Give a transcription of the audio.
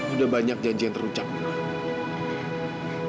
udah banyak janji yang terucap gitu